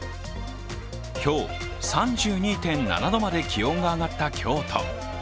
今日３２．７度まで気温が上がった京都。